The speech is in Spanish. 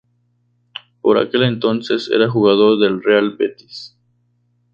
Por aquel entonces era jugador del Real Betis.